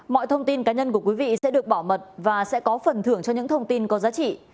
mọi thông tin cá nhân của quý vị sẽ được bảo mật và sẽ có phần thưởng cho những thông tin có giá trị